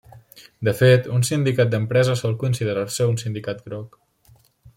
De fet, un sindicat d'empresa sol considerar-se un sindicat groc.